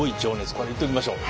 これいっときましょう。